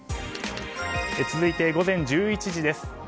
続いて午前１１時です。